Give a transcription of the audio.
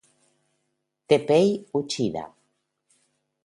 Teppei Uchida